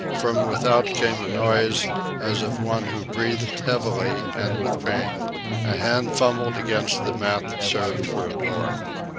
From without came a noise, as of one who breathed heavily and with pain. A hand fumbled against the mat that served for a door.